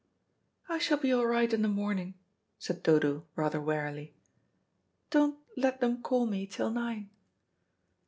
"I shall be all right in the morning," said Dodo, rather wearily. "Don't let them call me till nine."